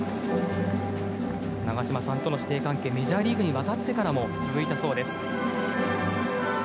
長嶋さんとの師弟関係はメジャーリーグに渡ってからも続いたそうです。